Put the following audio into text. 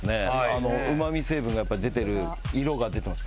あのうま味成分がやっぱ出てる色が出てます